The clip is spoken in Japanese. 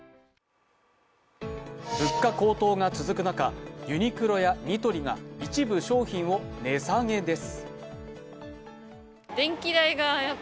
物価高騰が続く中、ユニクロやニトリが一部商品を値下げです。